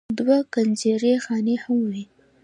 دوه کنجرې خانې هم وې.